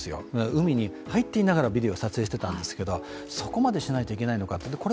海に入っていながらビデオを撮影していたんですけれどもそこまでしないといけないのかと。